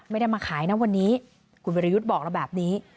ไม่ได้มาขายนะวันนี้คุณวิรยุทธ์บอกเราแบบนี้